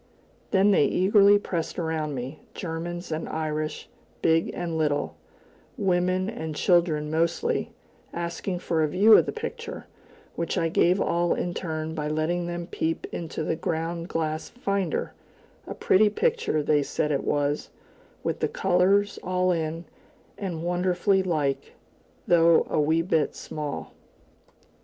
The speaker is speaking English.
Then they eagerly pressed around me, Germans and Irish, big and little, women and children mostly, asking for a view of the picture, which I gave all in turn by letting them peep into the ground glass "finder" a pretty picture, they said it was, with the colors all in, and "wonderfully like," though a wee bit small.